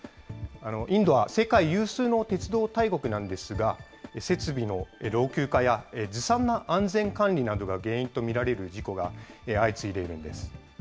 インドは世界有数の鉄道大国なんですが、設備の老朽化やずさんな安全管理などが原因と見られる事故が相次いでいるんです。